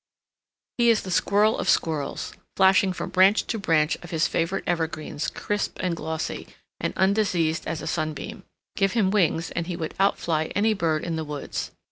He is the squirrel of squirrels, flashing from branch to branch of his favorite evergreens crisp and glossy and undiseased as a sunbeam. Give him wings and he would outfly any bird in the woods.